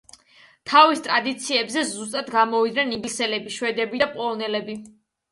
თავის ტრადიციებზე სუსტად გამოვიდნენ ინგლისელები, შვედები და პოლონელები.